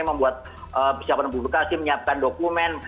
membuat persiapan publikasi menyiapkan dokumen